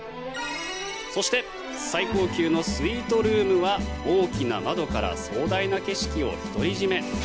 そして最高級のスイートルームは大きな窓から壮大な景色を独り占め。